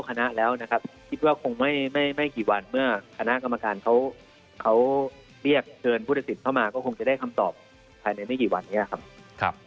ก็คงจะได้คำตอบในไม่กี่วันนี้ครับ